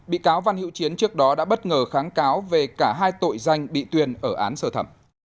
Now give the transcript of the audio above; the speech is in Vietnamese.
bị cáo văn hiễu chiến trước đó đã bất ngờ kháng cáo về cả hai tội danh bị tuyên ở án sơ thẩm